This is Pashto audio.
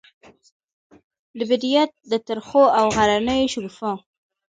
د بیدیا د ترخو او غرنیو شګوفو،